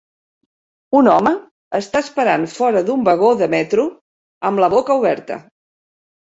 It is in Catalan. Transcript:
Un home està esperant fora d"un vagó de metro amb la boca oberta.